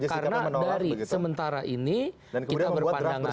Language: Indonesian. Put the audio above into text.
karena dari sementara ini kita berpandangan